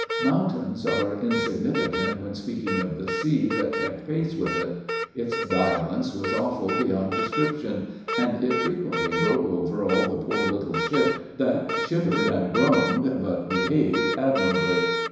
Mountains are insignificant when speaking of the sea that kept pace with it; its violence was awful beyond description, and it frequently broke over all the poor little ship, that shivered and groaned, but behaved admirably.